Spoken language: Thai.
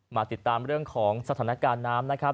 มาติดตามเรื่องของสถานการณ์น้ำนะครับ